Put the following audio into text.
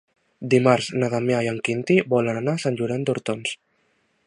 Dimarts na Damià i en Quintí volen anar a Sant Llorenç d'Hortons.